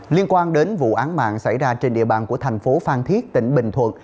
liên quan đến vụ án mạng xảy ra trên địa bàn của thành phố phan thiết tỉnh bình thuận